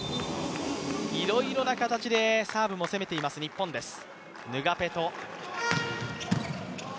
いろいろな形でサーブも攻めています日本です。